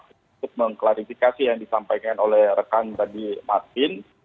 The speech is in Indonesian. untuk mengklarifikasi yang disampaikan oleh rekan tadi martin